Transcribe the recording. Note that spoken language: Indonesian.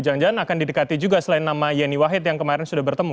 jangan jangan akan didekati juga selain nama yeni wahid yang kemarin sudah bertemu